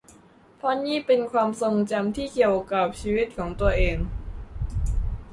เพราะนี่เป็นความทรงจำที่เกี่ยวกับชีวิตของตัวเอง